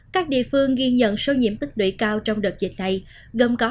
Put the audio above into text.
các địa phương ghi nhận số nhiễm tức đuổi cao trong đợt dịch này gồm có